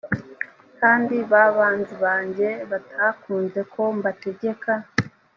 kandi ba banzi banjye batakunze ko mbategeka